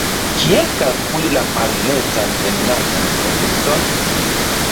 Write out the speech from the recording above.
Kiel kalkuli la malnetan enlandan produkton?